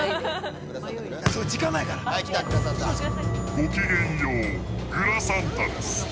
◆ごきけんよう、グラサンタです。